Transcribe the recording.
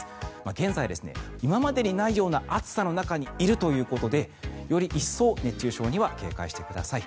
現在、今までにないような暑さの中にいるということでより一層熱中症には警戒してください。